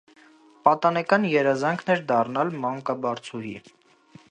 Պատանեկան երազանքն էր՝ դառնալ մանկաբարձուհի։